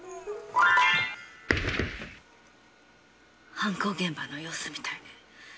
犯行現場の様子みたいね。